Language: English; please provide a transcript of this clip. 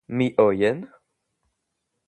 Me oyen?